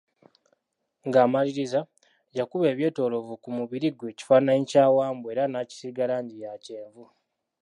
Nga amaliriza, yakuba ebyetoloovu ku mubiri gwe kifananyi kya Wambwa era naakisiiga langi ya kyenvu.